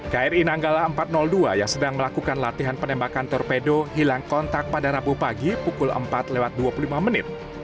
kri nanggala empat ratus dua yang sedang melakukan latihan penembakan torpedo hilang kontak pada rabu pagi pukul empat lewat dua puluh lima menit